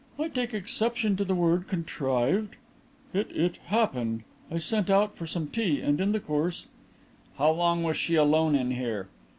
"I take exception to the word 'contrived.' It it happened. I sent out for some tea, and in the course " "How long was she alone in here?"